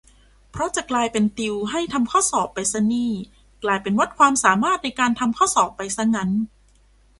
เพราะจะกลายเป็นติวให้ทำข้อสอบไปซะนี่ กลายเป็นวัดความสามารถในการทำข้อสอบไปซะงั้น